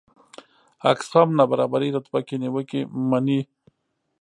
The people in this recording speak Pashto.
اکسفام نابرابرۍ رتبه کې نیوکې مني.